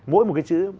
mỗi một cái chữ